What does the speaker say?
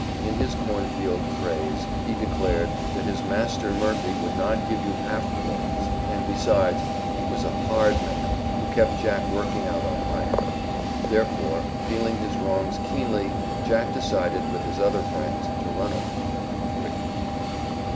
In his corn field phrase he declared, that his master Murphy would not give you half clothes, and besides he was a "hard man," who kept Jack working out on hire. Therefore, feeling his wrongs keenly, Jack decided, with his other friends, to run off and be free.